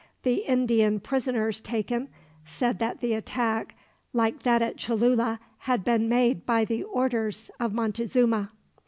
The Indian prisoners taken said that the attack, like that at Cholula, had been made by the orders of Montezuma.